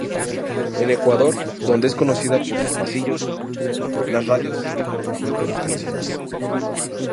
En Ecuador, donde es conocida por sus pasillos, las radios siguen programando sus canciones.